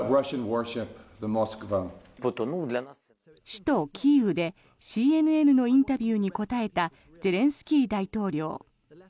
首都キーウでＣＮＮのインタビューに答えたゼレンスキー大統領。